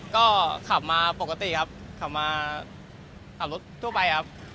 ก็ขับมาปกติครับขับมาขับรถทั่วไปครับ